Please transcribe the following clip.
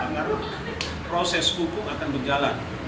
maka proses hukum akan berjalan